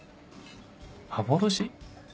幻？